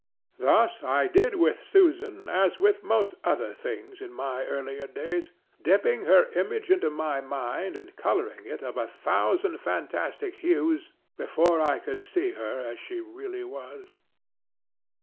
Thus I did with Susan as with most other things in my earlier days, dipping her image into my mind and coloring it of a thousand fantastic hues before I could see her as she really was.